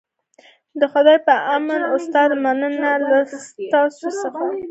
د خدای په امان استاده مننه له تاسو څخه